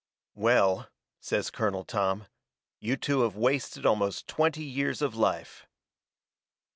"Well," says Colonel Tom, "you two have wasted almost twenty years of life."